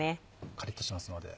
カリっとしますので。